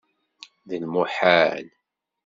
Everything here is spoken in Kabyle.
D lmuḥal.